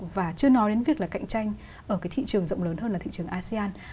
và chưa nói đến việc là cạnh tranh ở cái thị trường rộng lớn hơn là thị trường asean